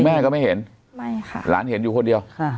แม่ก็ไม่เห็นไม่ค่ะหลานเห็นอยู่คนเดียวค่ะ